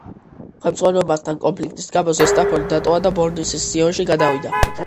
ხელმძღვანელობასთან კონფლიქტის გამო „ზესტაფონი“ დატოვა და ბოლნისის „სიონში“ გადავიდა.